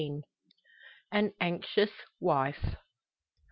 AN ANXIOUS WIFE.